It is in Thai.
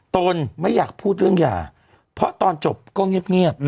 ตนไม่อยากพูดเรื่องหย่าเพราะตอนจบก็เงียบ